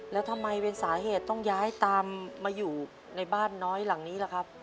แล้วทำไมเป็นสาเหตุต้องย้ายตามมาอยู่ในบ้านน้อยหลังนี้ล่ะครับ